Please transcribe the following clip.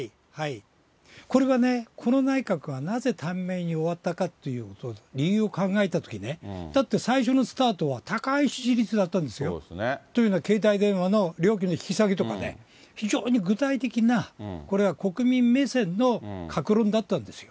これはね、この内閣はなぜ短命に終わったかというと、理由を考えたときね、だって最初のスタートは高い支持率だったんですよ。というのは携帯電話の料金の引き下げとかね、非常に具体的なこれは国民目線の各論だったんですよ。